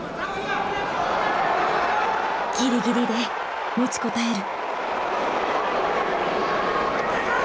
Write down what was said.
ギリギリで持ちこたえる。